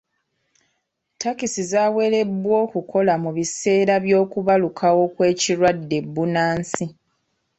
Ttakisi zaawerebwa okukola mu biseera by'okubalukawo kw'ekirwadde bbunansi.